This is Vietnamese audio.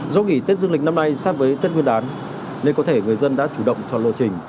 do nghỉ tết dương lịch năm nay sát với tết nguyên đán nên có thể người dân đã chủ động chọn lộ trình